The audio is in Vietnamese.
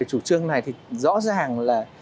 chủ trương này thì rõ ràng là